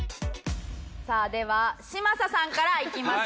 さあでは嶋佐さんからいきましょう。